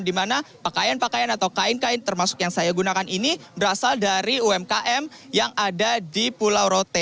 di mana pakaian pakaian atau kain kain termasuk yang saya gunakan ini berasal dari umkm yang ada di pulau rote